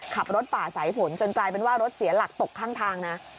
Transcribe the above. ฝ่าสายฝนจนกลายเป็นว่ารถเสียหลักตกข้างทางนะ